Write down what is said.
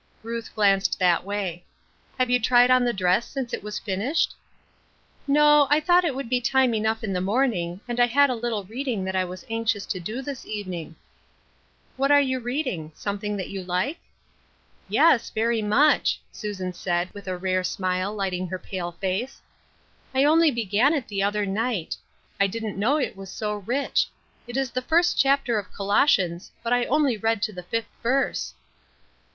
Ruth glanced that way, " Have you tried on the dress since it was finished ?"" No, I thought it would be time enough in the morning, and I had a little reading that 1 was anxious to do this evening." " What are you reading ? something that you like?" " Yes, very much," Susan said, with a rare smile lighting her pale face ;" I only began it the other night. I didn't know it was so rich. It is the first chapter of Colossians, but I only read to the fifth verse."